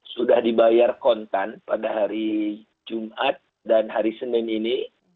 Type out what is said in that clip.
sudah dibayar kontan pada hari jumat dan hari senin ini